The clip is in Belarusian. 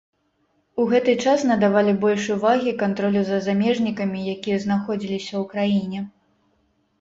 У гэты час надавалі больш увагі кантролю за замежнікамі якія знаходзіліся ў краіне.